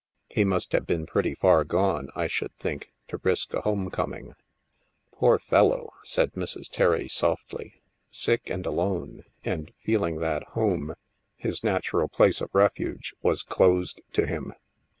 He must have been pretty far gone, I shotdd think, to risk a home coming." " Poor fellow," said Mrs. Terry softly, " sick, and alone, and feeling that home — his natural place of refuge — was closed to him!